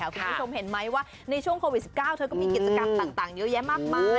คุณผู้ชมเห็นไหมว่าในช่วงโควิด๑๙เธอก็มีกิจกรรมต่างเยอะแยะมากมาย